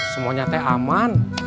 semuanya teh aman